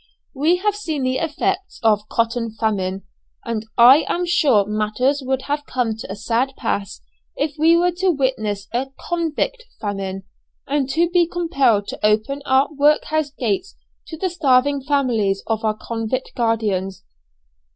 We have seen the effects of cotton famine, and I am sure matters would have come to a sad pass if we were to witness a convict famine, and to be compelled to open our workhouse gates to the starving families of our convict guardians.